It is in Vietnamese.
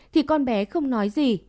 thì con bé không nói gì